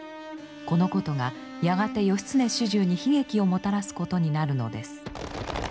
このことがやがて義経主従に悲劇をもたらすことになるのです。